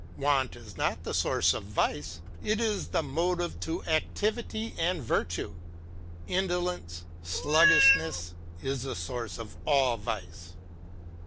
Want is not the source of Vice, — it is the motive to activity and virtue; indolence, sluggish ness, is the source of all Vice.